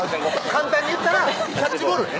簡単に言ったらキャッチボールね